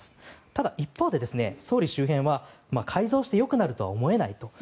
ただ一方で総理周辺は改造してよくなるとは思えないと。